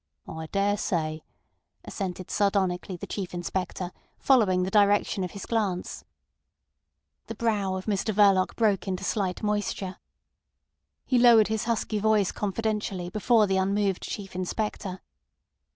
"I daresay," assented sardonically the Chief Inspector, following the direction of his glance. The brow of Mr Verloc broke into slight moisture. He lowered his husky voice confidentially before the unmoved Chief Inspector.